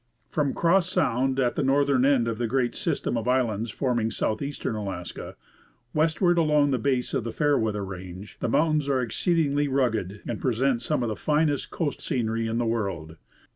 From Cross sound, at the northern end of the great system of islands forming southeastern Alaska, westward along the base of the Fairweather range, the mountains are exceedingly rugged, and present some of the finest coast scenery in the world.